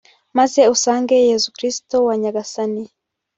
maze usange Yezu Kristu wa Nyagasani